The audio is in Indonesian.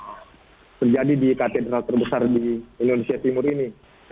jadi ini adalah hal yang terjadi di katedral terbesar di indonesia timur ini